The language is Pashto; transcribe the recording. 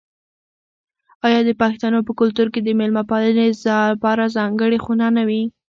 آیا د پښتنو په کلتور کې د میلمه پالنې لپاره ځانګړې خونه نه وي؟